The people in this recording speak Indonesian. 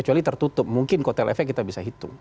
kecuali tertutup mungkin kotel efek kita bisa hitung